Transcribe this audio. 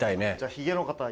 ひげの方。